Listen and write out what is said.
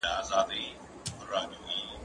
ته ولي مېوې خورې!.